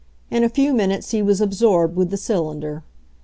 In a few minutes he was alv sorbed with the cylinder.